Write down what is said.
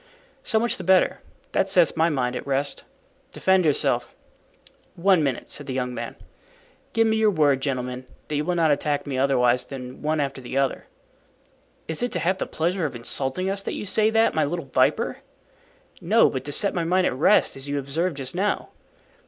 "So much the better; that sets my mind at rest. Defend yourself." "One minute," said the young man. "Give me your word, gentlemen, that you will not attack me otherwise than one after the other." "Is it to have the pleasure of insulting us that you say that, my little viper?" "No, but to set my mind at rest, as you observed just now."